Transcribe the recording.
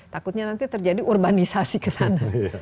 takutnya nanti terjadi urbanisasi ke sana